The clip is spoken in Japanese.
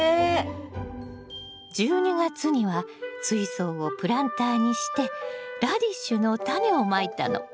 １２月には水槽をプランターにしてラディッシュのタネをまいたの。